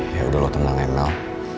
ya udah lo tenang mel